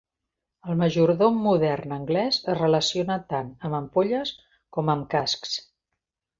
El "majordom" modern anglès es relaciona tant amb ampolles com amb cascs.